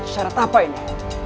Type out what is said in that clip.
syarat apa ini